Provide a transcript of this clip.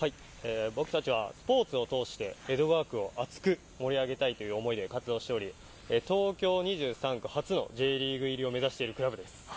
僕たちはスポーツを通して江戸川区を熱く盛り上げたいという思いで活動しており東京２３区初のＪリーグ入りを目指しているクラブです。